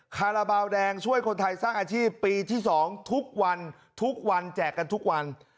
คาราบาลแดงช่วยคนไทยสร้างอาชีพปีที่๒ทุกวันทุกวันแจกกันทุกวัน